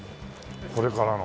これからの。